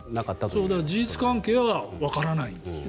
だから事実関係はわからないんです。